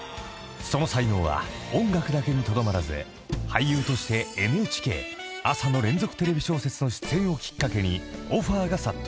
［その才能は音楽だけにとどまらず俳優としてＮＨＫ朝の連続テレビ小説の出演をきっかけにオファーが殺到］